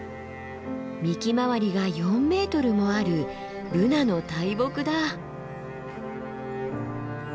幹回りが４ｍもあるブナの大木だ。